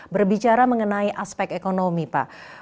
berbicara mengenai aspek ekonomi pak